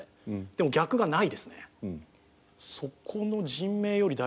でも逆がないですね。